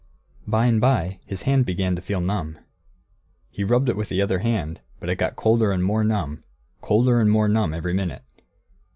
By and by, his hand began to feel numb. He rubbed it with the other hand; but it got colder and more numb, colder and more numb, every minute.